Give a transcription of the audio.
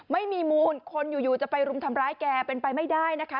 ไม่มีมูลคนอยู่จะไปรุมทำร้ายแกเป็นไปไม่ได้นะคะ